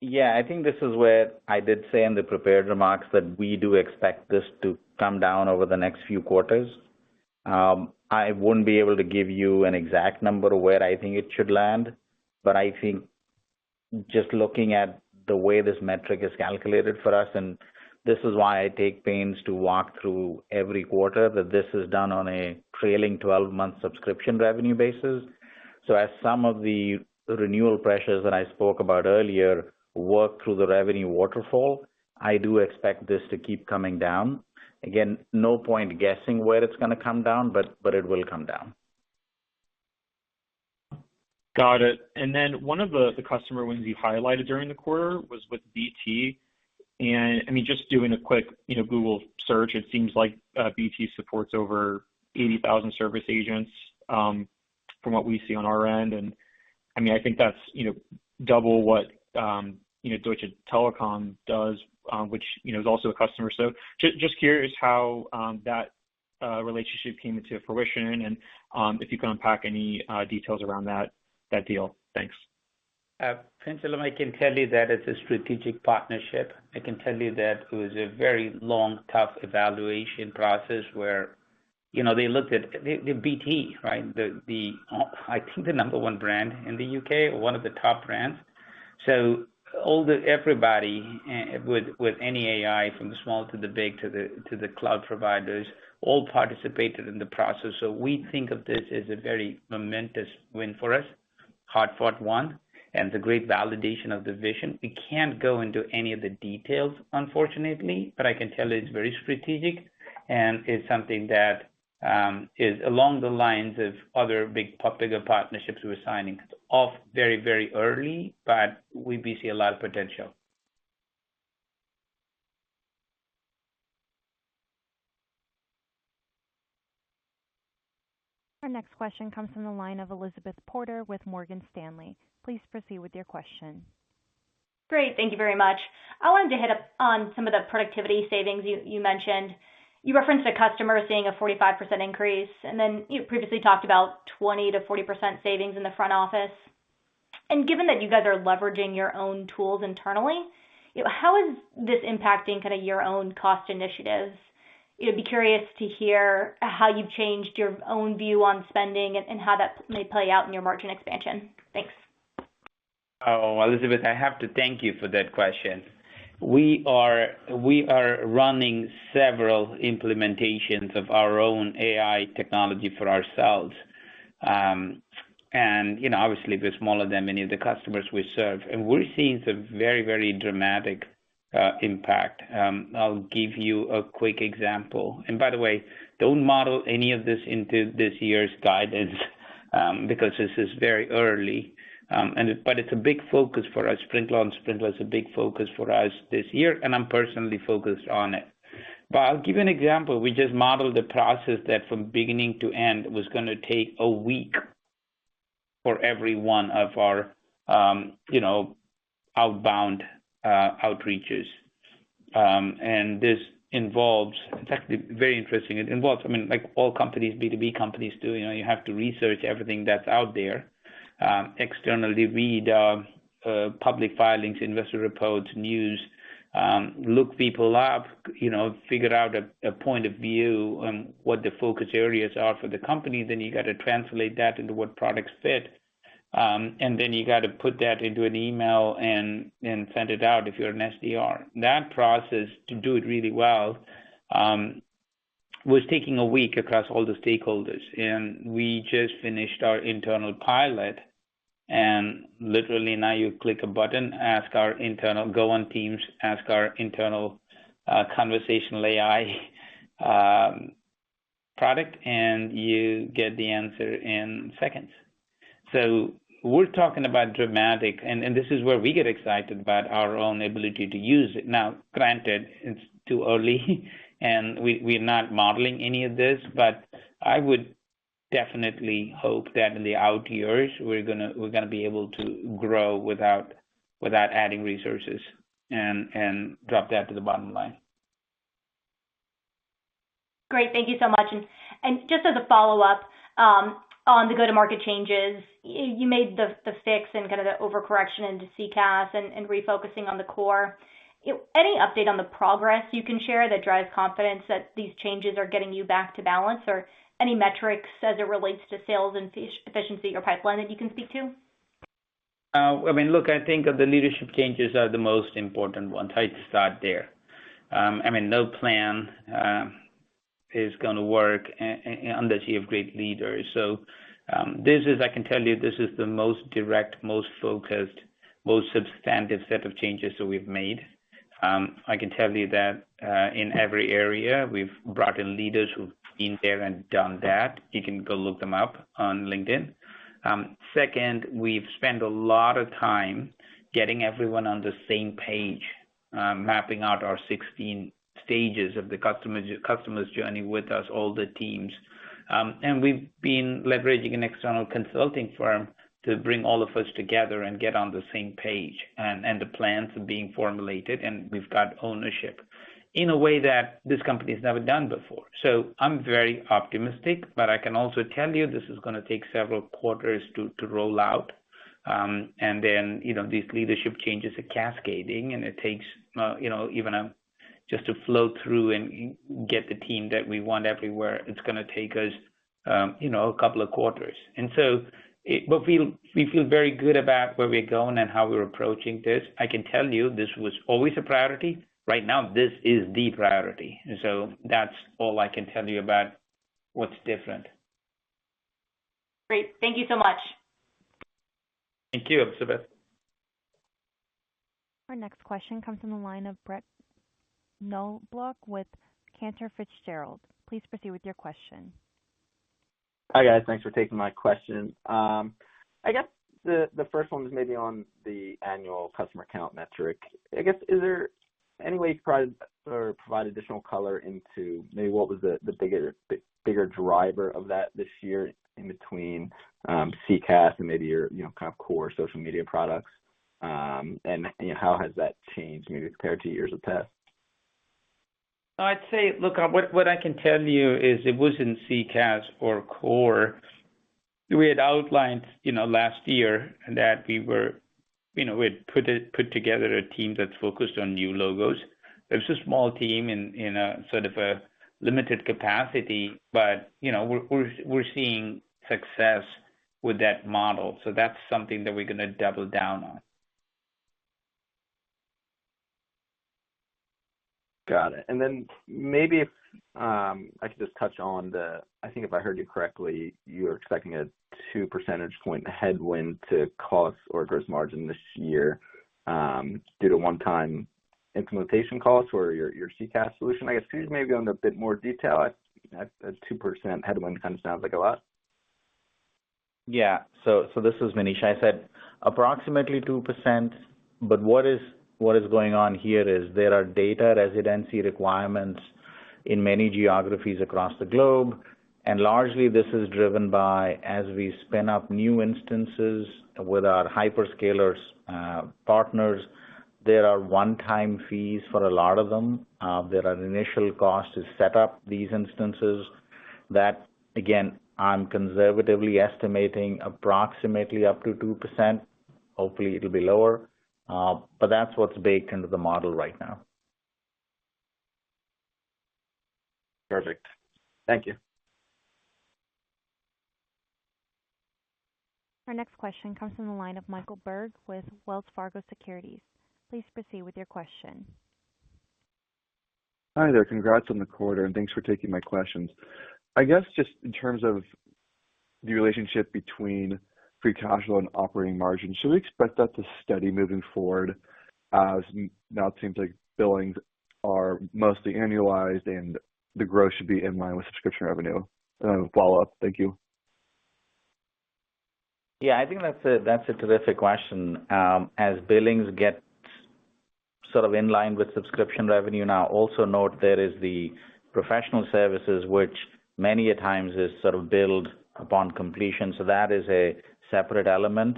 Yeah. I think this is where I did say in the prepared remarks that we do expect this to come down over the next few quarters. I wouldn't be able to give you an exact number of where I think it should land, but I think just looking at the way this metric is calculated for us, and this is why I take pains to walk through every quarter, that this is done on a trailing 12-month subscription revenue basis. So as some of the renewal pressures that I spoke about earlier work through the revenue waterfall, I do expect this to keep coming down. Again, no point guessing where it's going to come down, but it will come down. Got it. And then one of the customer wins you highlighted during the quarter was with BT. And I mean, just doing a quick Google search, it seems like BT supports over 80,000 service agents from what we see on our end. And I mean, I think that's double what Deutsche Telekom does, which is also a customer. So just curious how that relationship came into fruition and if you can unpack any details around that deal. Thanks. Pinjalim, I can tell you that it's a strategic partnership. I can tell you that it was a very long, tough evaluation process where they looked at BT, right? I think the number one brand in the UK, one of the top brands. So everybody with any AI, from the small to the big to the cloud providers, all participated in the process. So we think of this as a very momentous win for us, hard-fought one, and the great validation of the vision. We can't go into any of the details, unfortunately, but I can tell you it's very strategic and it's something that is along the lines of other big partnerships we're signing. Off very, very early, but we see a lot of potential. Our next question comes from the line of Elizabeth Porter with Morgan Stanley. Please proceed with your question. Great. Thank you very much. I wanted to hit up on some of the productivity savings you mentioned. You referenced a customer seeing a 45% increase and then previously talked about 20%-40% savings in the front office. And given that you guys are leveraging your own tools internally, how is this impacting kind of your own cost initiatives? I'd be curious to hear how you've changed your own view on spending and how that may play out in your margin expansion. Thanks. Oh, Elizabeth, I have to thank you for that question. We are running several implementations of our own AI technology for ourselves. And obviously, we're smaller than many of the customers we serve, and we're seeing some very, very dramatic impact. I'll give you a quick example. By the way, don't model any of this into this year's guidance because this is very early. But it's a big focus for us. Sprinklr on Sprinklr is a big focus for us this year, and I'm personally focused on it. But I'll give you an example. We just modeled a process that from beginning to end was going to take a week for every one of our outbound outreaches. And this involves. It's actually very interesting. I mean, all companies, B2B companies do. You have to research everything that's out there externally. Read public filings, investor reports, news, look people up, figure out a point of view on what the focus areas are for the company. Then you got to translate that into what products fit. And then you got to put that into an email and send it out if you're an SDR. That process, to do it really well, was taking a week across all the stakeholders. And we just finished our internal pilot. And literally, now you click a button, go on Teams, ask our internal conversational AI product, and you get the answer in seconds. So we're talking about dramatic, and this is where we get excited about our own ability to use it. Now, granted, it's too early, and we're not modeling any of this, but I would definitely hope that in the out years, we're going to be able to grow without adding resources and drop that to the bottom line. Great. Thank you so much. Just as a follow-up on the go-to-market changes, you made the fix and kind of the overcorrection into CCaaS and refocusing on the core. Any update on the progress you can share that drives confidence that these changes are getting you back to balance or any metrics as it relates to sales and efficiency or pipeline that you can speak to? I mean, look, I think the leadership changes are the most important ones. I'd start there. I mean, no plan is going to work under the sea of great leaders. So I can tell you this is the most direct, most focused, most substantive set of changes that we've made. I can tell you that in every area, we've brought in leaders who've been there and done that. You can go look them up on LinkedIn. Second, we've spent a lot of time getting everyone on the same page, mapping out our 16 stages of the customer's journey with us, all the teams. And we've been leveraging an external consulting firm to bring all of us together and get on the same page. And the plans are being formulated, and we've got ownership in a way that this company has never done before. So I'm very optimistic, but I can also tell you this is going to take several quarters to roll out. And then these leadership changes are cascading, and it takes even just to flow through and get the team that we want everywhere, it's going to take us a couple of quarters. But we feel very good about where we're going and how we're approaching this. I can tell you this was always a priority. Right now, this is the priority. So that's all I can tell you about what's different. Great. Thank you so much. Thank you, Elizabeth. Our next question comes from the line of Brett Knoblauch with Cantor Fitzgerald. Please proceed with your question. Hi, guys. Thanks for taking my question. I guess the first one is maybe on the annual customer account metric. I guess, is there any way you could provide additional color into maybe what was the bigger driver of that this year in between CCaaS and maybe your kind of core social media products? And how has that changed maybe compared to years of past? Look, what I can tell you is it wasn't CCaaS or core. We had outlined last year that we had put together a team that's focused on new logos. It was a small team in sort of a limited capacity, but we're seeing success with that model. That's something that we're going to double down on. Got it. And then maybe if I could just touch on the, I think if I heard you correctly, you were expecting a 2 percentage point headwind to cost or gross margin this year due to one-time implementation costs for your CCaaS solution. I guess, could you maybe go into a bit more detail? A 2% headwind kind of sounds like a lot. Yeah. So this is Manish. I said approximately 2%, but what is going on here is there are data residency requirements in many geographies across the globe. And largely, this is driven by as we spin up new instances with our hyperscaler partners, there are one-time fees for a lot of them. There are initial costs to set up these instances that, again, I'm conservatively estimating approximately up to 2%. Hopefully, it'll be lower. But that's what's baked into the model right now. Perfect. Thank you. Our next question comes from the line of Michael Berg with Wells Fargo Securities. Please proceed with your question. Hi there. Congrats on the quarter, and thanks for taking my questions. I guess just in terms of the relationship between free cash flow and operating margin, should we expect that to steady moving forward as now it seems like billings are mostly annualized and the growth should be in line with subscription revenue? Follow-up. Thank you. Yeah. I think that's a terrific question. As billings get sort of in line with subscription revenue now, also note there is the professional services, which many at times is sort of billed upon completion. So that is a separate element.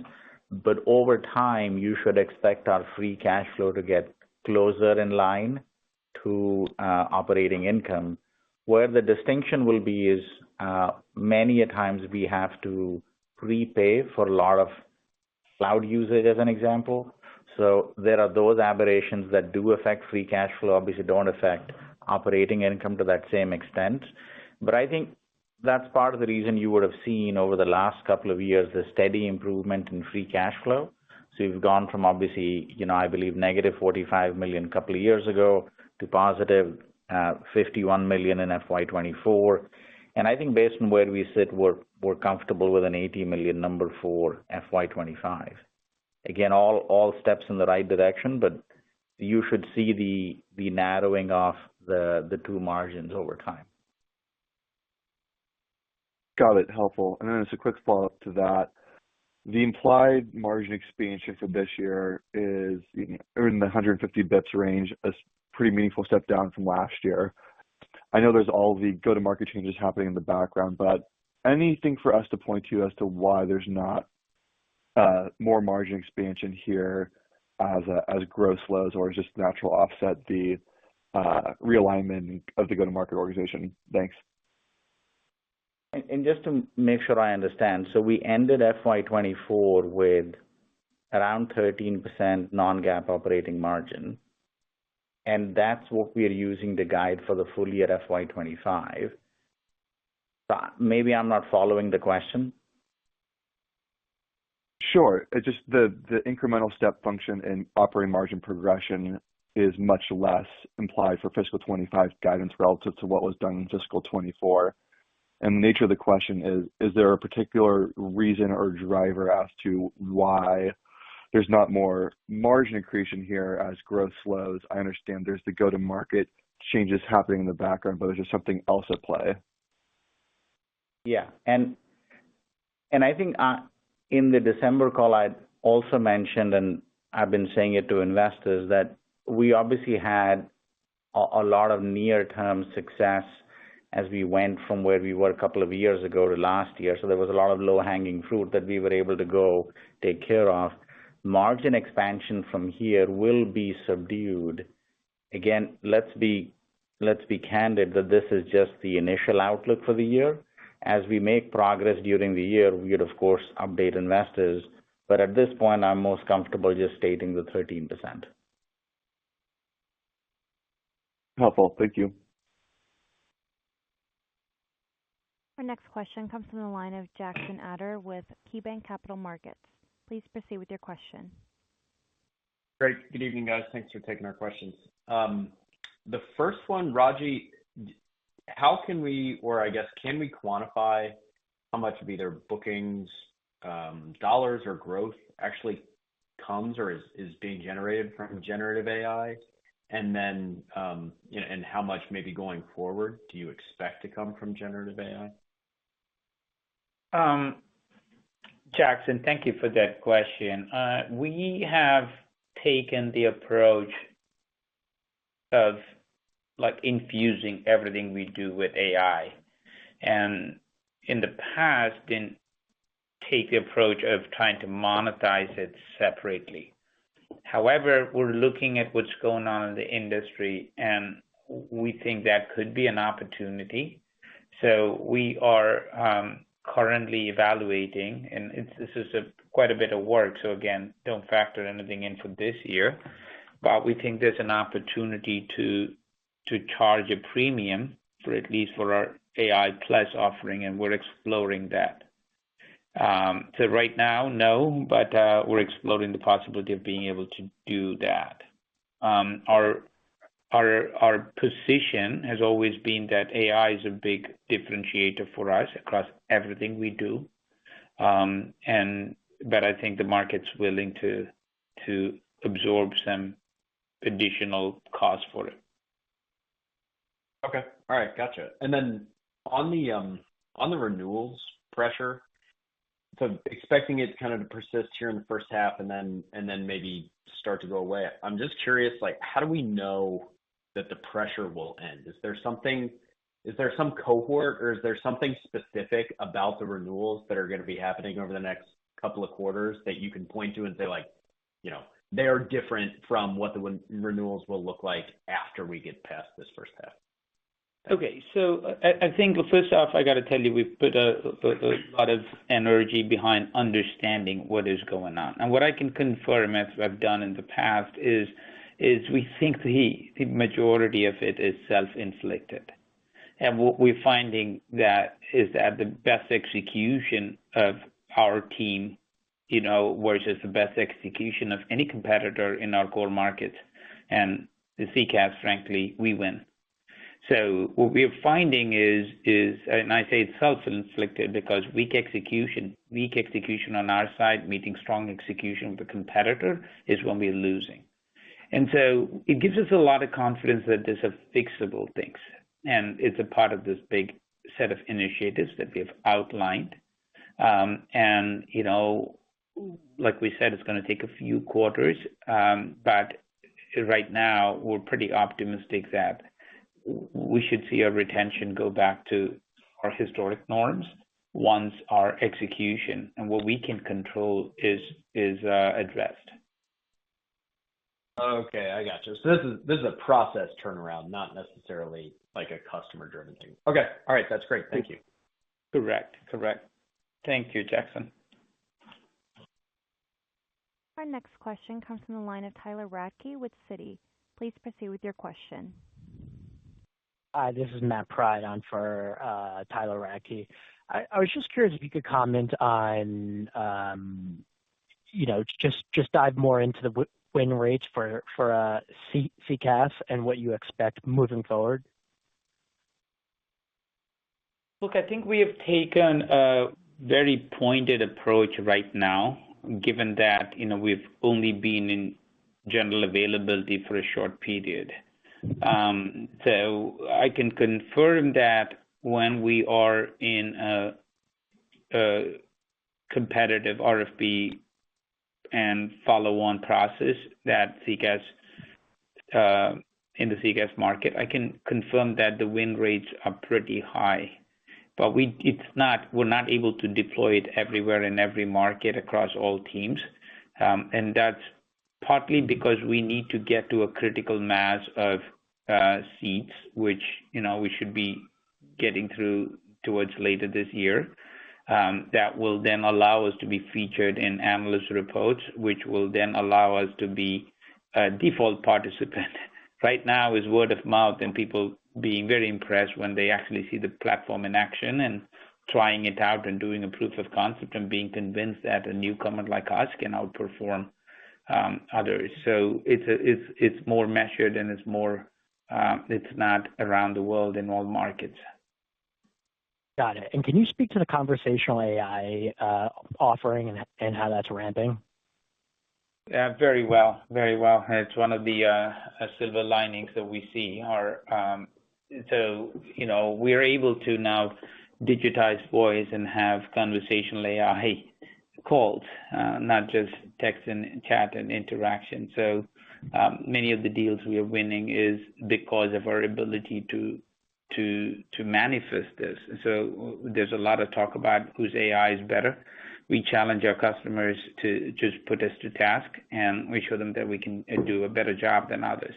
But over time, you should expect our free cash flow to get closer in line to operating income. Where the distinction will be is many at times we have to prepay for a lot of cloud usage, as an example. So there are those aberrations that do affect free cash flow. Obviously, don't affect operating income to that same extent. But I think that's part of the reason you would have seen over the last couple of years the steady improvement in free cash flow. So you've gone from, obviously, I believe, negative $45 million a couple of years ago to positive $51 million in FY24. I think based on where we sit, we're comfortable with an $80 million number for FY25. Again, all steps in the right direction, but you should see the narrowing of the two margins over time. Got it. Helpful. And then just a quick follow-up to that. The implied margin expansion for this year is in the 150 basis points range, a pretty meaningful step down from last year. I know there's all the go-to-market changes happening in the background, but anything for us to point to as to why there's not more margin expansion here as gross lows or as just natural offset, the realignment of the go-to-market organization. Thanks. Just to make sure I understand, so we ended FY24 with around 13% non-GAAP operating margin, and that's what we're using the guide for the full year FY25. Maybe I'm not following the question. Sure. It's just the incremental step function in operating margin progression is much less implied for fiscal 2025 guidance relative to what was done in fiscal 2024. The nature of the question is, is there a particular reason or driver as to why there's not more margin expansion here as growth slows? I understand there's the go-to-market changes happening in the background, but is there something else at play? I think in the December call, I also mentioned, and I've been saying it to investors, that we obviously had a lot of near-term success as we went from where we were a couple of years ago to last year. So there was a lot of low-hanging fruit that we were able to go take care of. Margin expansion from here will be subdued. Again, let's be candid that this is just the initial outlook for the year. As we make progress during the year, we would, of course, update investors. But at this point, I'm most comfortable just stating the 13%. Helpful. Thank you. Our next question comes from the line of Jackson Ader with KeyBanc Capital Markets. Please proceed with your question. Great. Good evening, guys. Thanks for taking our questions. The first one, Ragy, how can we or I guess, can we quantify how much of either bookings, dollars, or growth actually comes or is being generated from generative AI? How much maybe going forward do you expect to come from generative AI? Jackson, thank you for that question. We have taken the approach of infusing everything we do with AI. In the past, we didn't take the approach of trying to monetize it separately. However, we're looking at what's going on in the industry, and we think that could be an opportunity. We are currently evaluating, and this is quite a bit of work. Again, don't factor anything in for this year. We think there's an opportunity to charge a premium, at least for our AI+ offering, and we're exploring that. Right now, no, but we're exploring the possibility of being able to do that. Our position has always been that AI is a big differentiator for us across everything we do. I think the market's willing to absorb some additional cost for it. Okay. All right. Gotcha. And then on the renewals pressure, so expecting it kind of to persist here in the first half and then maybe start to go away. I'm just curious, how do we know that the pressure will end? Is there some cohort, or is there something specific about the renewals that are going to be happening over the next couple of quarters that you can point to and say, "They are different from what the renewals will look like after we get past this first half"? Okay. So I think first off, I got to tell you we've put a lot of energy behind understanding what is going on. What I can confirm, as I've done in the past, is we think the majority of it is self-inflicted. What we're finding is that the best execution of our team versus the best execution of any competitor in our core markets and the CCaaS, frankly, we win. So what we are finding is, and I say it's self-inflicted because weak execution on our side meeting strong execution with a competitor is when we're losing. So it gives us a lot of confidence that these are fixable things. It's a part of this big set of initiatives that we have outlined. Like we said, it's going to take a few quarters. Right now, we're pretty optimistic that we should see our retention go back to our historic norms once our execution and what we can control is addressed. Okay. I gotcha. So this is a process turnaround, not necessarily a customer-driven thing. Okay. All right. That's great. Thank you. Correct. Correct. Thank you, Jackson. Our next question comes from the line of Tyler Radke with Citi. Please proceed with your question. Hi. This is Matt Pryde. I'm for Tyler Radke. I was just curious if you could comment on just dive more into the win rates for CCaaS and what you expect moving forward. Look, I think we have taken a very pointed approach right now given that we've only been in general availability for a short period. So I can confirm that when we are in a competitive RFP and follow-on process in the CCaaS market, I can confirm that the win rates are pretty high. But we're not able to deploy it everywhere in every market across all teams. And that's partly because we need to get to a critical mass of seats, which we should be getting through towards later this year. That will then allow us to be featured in analyst reports, which will then allow us to be a default participant. Right now is word of mouth and people being very impressed when they actually see the platform in action and trying it out and doing a proof of concept and being convinced that a newcomer like us can outperform others. It's more measured and it's not around the world in all markets. Got it. Can you speak to the conversational AI offering and how that's ramping? Very well. Very well. It's one of the silver linings that we see. So we're able to now digitize voice and have conversational AI calls, not just text and chat and interaction. So many of the deals we are winning is because of our ability to manifest this. So there's a lot of talk about whose AI is better. We challenge our customers to just put us to task, and we show them that we can do a better job than others.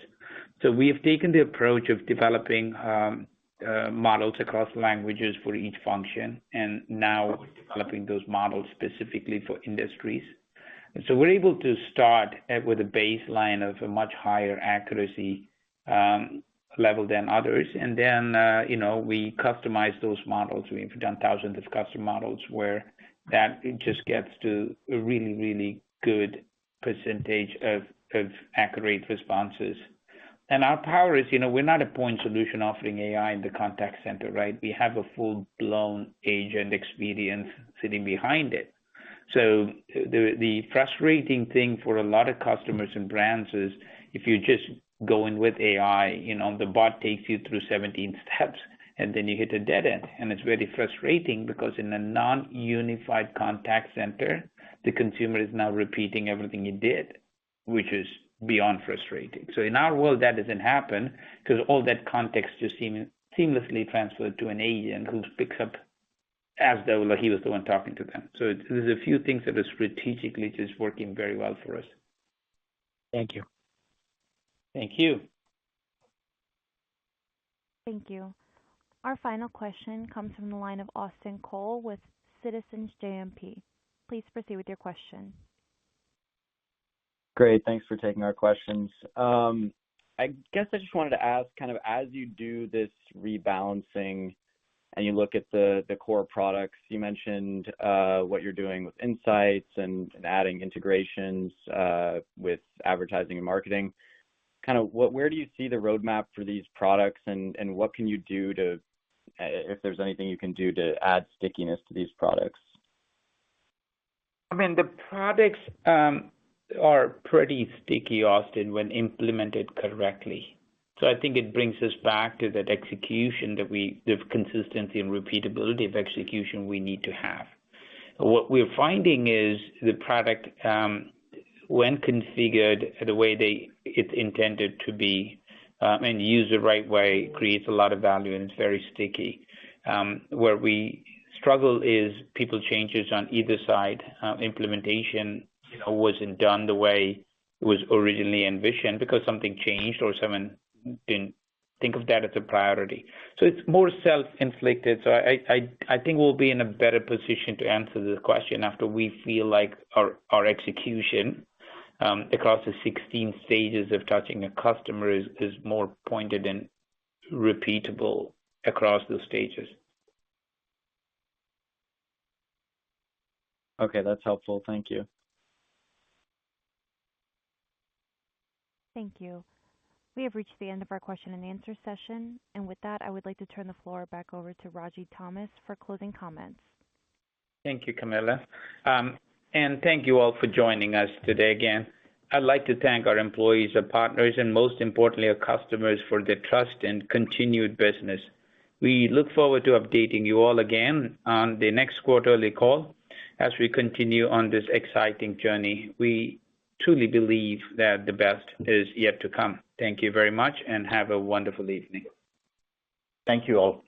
So we have taken the approach of developing models across languages for each function and now developing those models specifically for industries. So we're able to start with a baseline of a much higher accuracy level than others. And then we customize those models. We've done thousands of custom models where that just gets to a really, really good percentage of accurate responses. Our power is we're not a point solution offering AI in the contact center, right? We have a full-blown agent experience sitting behind it. So the frustrating thing for a lot of customers and brands is if you just go in with AI, the bot takes you through 17 steps, and then you hit a dead end. And it's very frustrating because in a non-unified contact center, the consumer is now repeating everything you did, which is beyond frustrating. So in our world, that doesn't happen because all that context just seems seamlessly transferred to an agent who picks up as though he was the one talking to them. So there's a few things that are strategically just working very well for us. Thank you. Thank you. Thank you. Our final question comes from the line of Austin Cole with Citizens JMP. Please proceed with your question. Great. Thanks for taking our questions. I guess I just wanted to ask kind of as you do this rebalancing and you look at the core products, you mentioned what you're doing with Insights and adding integrations with advertising and marketing. Kind of where do you see the roadmap for these products, and what can you do to if there's anything you can do to add stickiness to these products? the products are pretty sticky, Austin, when implemented correctly. I think it brings us back to that execution that we need, the consistency and repeatability of execution we need to have. What we're finding is the product, when configured the way it's intended to be and used the right way, creates a lot of value, and it's very sticky. Where we struggle is people changes on either side. Implementation wasn't done the way it was originally envisioned because something changed or someone didn't think of that as a priority. So it's more self-inflicted. So I think we'll be in a better position to answer this question after we feel like our execution across the 16 stages of touching a customer is more pointed and repeatable across those stages. Okay. That's helpful. Thank you. Thank you. We have reached the end of our question and answer session. With that, I would like to turn the floor back over to Ragy Thomas for closing comments. Thank you, Camilla. Thank you all for joining us today again. I'd like to thank our employees, our partners, and most importantly, our customers for their trust and continued business. We look forward to updating you all again on the next quarterly call as we continue on this exciting journey. We truly believe that the best is yet to come. Thank you very much, and have a wonderful evening. Thank you all.